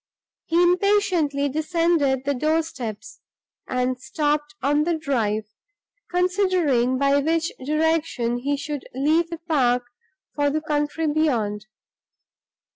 He impatiently descended the door steps, and stopped on the drive, considering, by which direction he should leave the park for the country beyond.